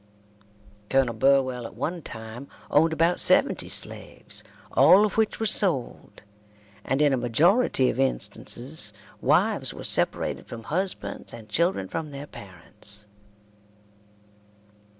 Colonel Burwell at one time owned about seventy slaves, all of which were sold, and in a majority of instances wives were separated from husbands and children from their parents.